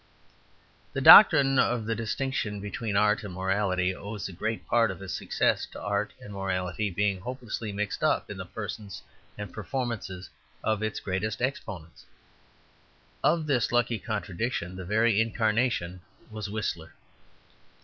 The doctrine of the distinction between art and morality owes a great part of its success to art and morality being hopelessly mixed up in the persons and performances of its greatest exponents. Of this lucky contradiction the very incarnation was Whistler.